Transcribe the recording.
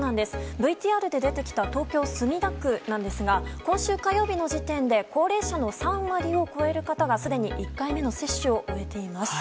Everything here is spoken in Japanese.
ＶＴＲで出てきた東京・墨田区ですが今週火曜日の時点で高齢者の３割を超える方がすでに１回目の接種を終えています。